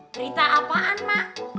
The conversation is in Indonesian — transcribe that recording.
berita apaan mak